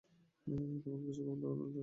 তোমাকে কিছু কথা বলতে পারি?